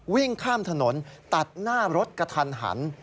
วิ่งข้ามถนนตัดหน้ารถกระทันหัน